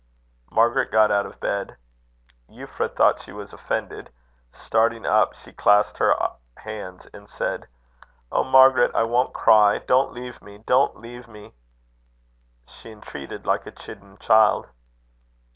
Margaret got out of bed. Euphra thought she was offended. Starting up, she clasped her hands, and said: "Oh Margaret! I won't cry. Don't leave me. Don't leave me." She entreated like a chidden child.